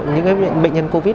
những cái bệnh nhân covid